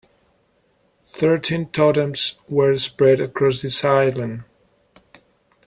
Thirteen totems were spread across this island.